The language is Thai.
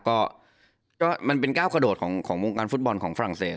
ก็มันเป็นก้าวกระโดดของวงการฟุตบอลของฝรั่งเศส